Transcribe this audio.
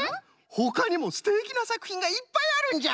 ほかにもすてきなさくひんがいっぱいあるんじゃ！